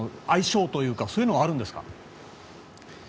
相性というかそういうのはあるんですか？